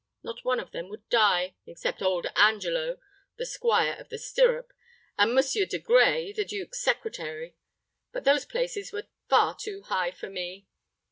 Not one of them would die, except old Angelo, the squire of the stirrup, and Monsieur De Gray, the duke's secretary. But those places were far too high for me."